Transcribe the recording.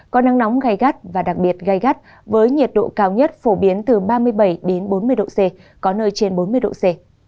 có nắng nóng gai gắt và đặc biệt gai gắt với nhiệt độ cao nhất phổ biến từ ba mươi bảy bốn mươi độ c có nơi trên bốn mươi độ c